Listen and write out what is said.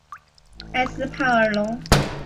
埃斯帕尔龙。